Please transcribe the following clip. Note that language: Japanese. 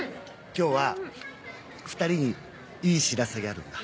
今日は２人にいい知らせがあるんだ。